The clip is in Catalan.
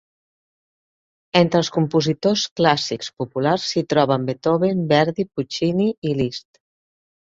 Entre els compositors clàssics populars s'hi troben Beethoven, Verdi, Puccini i Liszt.